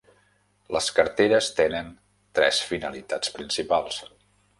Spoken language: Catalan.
Les carteres tenen tres finalitats principals.